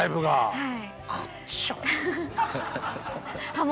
はい。